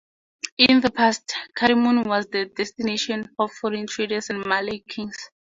In the past, Karimun was the destination of foreign traders and the Malay Kings.